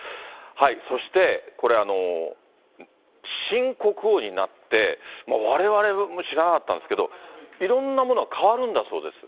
そしてこれ、新国王になって、われわれも知らなかったんですけど、いろんなものが変わるんだそうです。